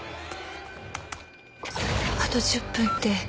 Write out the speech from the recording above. あと１０分って。